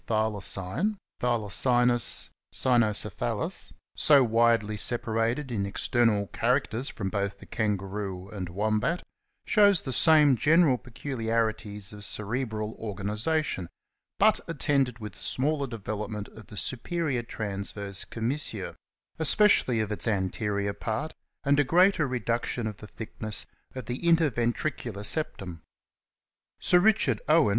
€ynocephalus\ so widely separated in external characters from both the Kangaroo and Wombat, shows the same general peculiarities of cerebral organization, but attended with a smaller development of the superior transverse commissure, especially of its anterior part, and a greater reduction of the thickness of the interventricular septum/^ Sir Richard Owen (Joe.